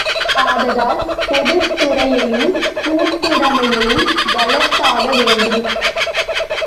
ஆதலால், பொதுத்துறையையும் கூட்டுடைமையையும் வளர்த்தாக வேண்டும்.